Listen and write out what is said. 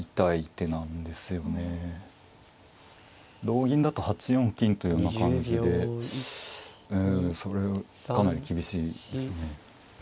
同銀だと８四金というような感じでうんそれかなり厳しいですね。